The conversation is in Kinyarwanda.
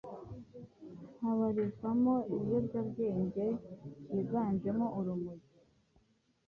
habarizwamo ibiyobyabwenge byiganjemo urumogi